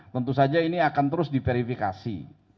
tentu saja ini akan terus diverifikasi